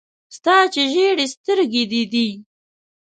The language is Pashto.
ستا چي ژېري سترګي دې دي .